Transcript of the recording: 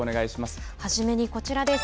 初めにこちらです。